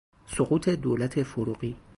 سقوط دولت فروغی